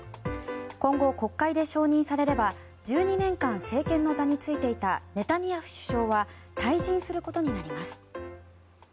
今後、国会で承認されれば１２年間、政権の座に就いていたネタニヤフ首相は退陣することになります。